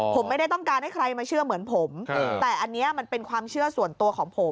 ผมไม่ได้ต้องการให้ใครมาเชื่อเหมือนผมแต่อันนี้มันเป็นความเชื่อส่วนตัวของผม